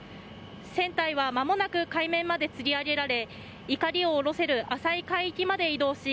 船体はまもなく海面までつり上げられいかりを下ろせる浅い海域まで移動し